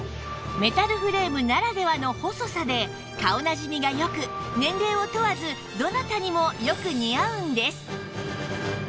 メタルフレームならではの細さで顔なじみが良く年齢を問わずどなたにもよく似合うんです